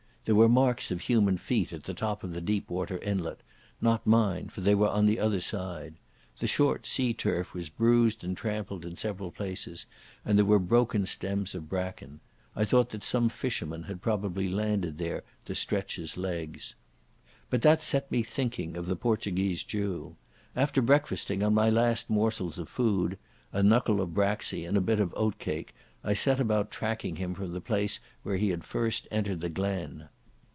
There were marks of human feet at the top of the deep water inlet—not mine, for they were on the other side. The short sea turf was bruised and trampled in several places, and there were broken stems of bracken. I thought that some fisherman had probably landed there to stretch his legs. But that set me thinking of the Portuguese Jew. After breakfasting on my last morsels of food—a knuckle of braxy and a bit of oatcake—I set about tracking him from the place where he had first entered the glen.